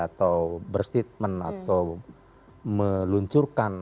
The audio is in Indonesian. atau berstatement atau meluncurkan